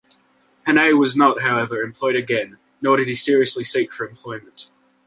Hannay was not, however, employed again, nor did he seriously seek for employment.